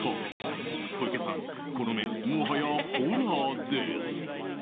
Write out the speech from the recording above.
小池さん、この目もはやホラーです。